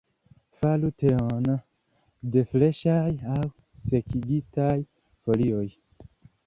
Faru teon de freŝaj aŭ sekigitaj folioj.